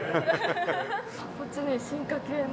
こっちに進化系の。